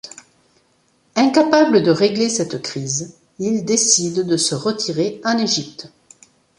Incapable de régler cette crise, il décide de se retirer en Égypte.